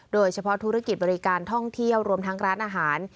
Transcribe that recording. โดยเฉพาะธุรกิจบริการท่องเที่ยวรวมทั้งร้านอาหาร